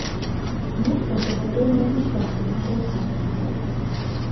Нехта загаварыў наўмысля двума галасамі.